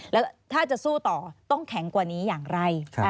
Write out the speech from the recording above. แล้วถ้าจะสู้ต่อต้องแข็งกว่านี้อย่างไร